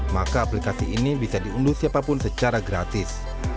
maka aplikasi ini bisa diunduh siapapun secara gratis